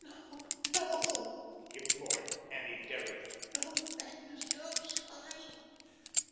"No, no," implored Annie Derrick. "No, Magnus, don't sign."